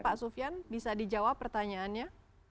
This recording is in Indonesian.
pak sofian bisa dijawab pertanyaannya